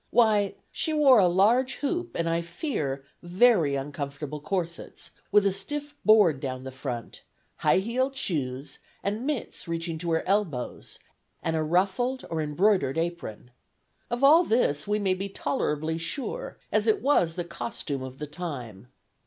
Why, she wore a large hoop, and, I fear, very uncomfortable corsets, with a stiff board down the front; high heeled shoes, and mitts reaching to her elbows, and a ruffled or embroidered apron. Of all this we may be tolerably sure, as it was the costume of the time.